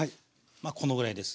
このぐらいです。